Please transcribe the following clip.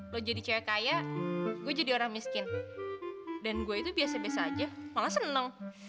lo jadi cewek kaya gue jadi orang miskin dan gue itu biasa biasa aja malah seneng